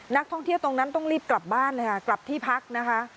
นักท่องเที่ยวตรงนั้นต้องรีบกลับบ้านเลยค่ะกลับที่พักนะคะ